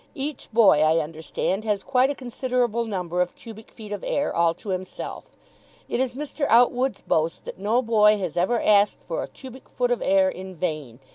Each boy, I understand, has quite a considerable number of cubic feet of air all to himself. It is Mr. Outwood's boast that no boy has ever asked for a cubic foot of air in vain.